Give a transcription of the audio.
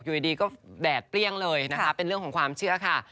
อยู่ดีก็แดดเปรี้ยงเลยนะคะเป็นเรื่องของความเชื่อค่ะ